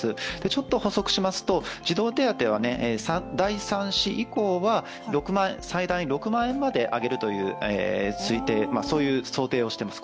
ちょっと補足しますと児童手当は第３子以降は、最大６万円まで上げるという想定をしています。